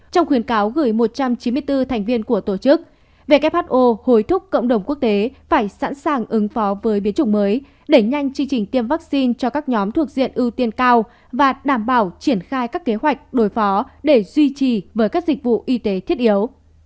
trong khuyến cáo gửi một trăm chín mươi bốn thành viên của tổ chức who hối thúc cộng đồng quốc tế phải sẵn sàng ứng phó với biến chủng mới đẩy nhanh chương trình tiêm vaccine cho các nhóm thuộc diện ưu tiên cao và đảm bảo triển khai các kế hoạch đối phó để duy trì với các dịch vụ y tế thiết yếu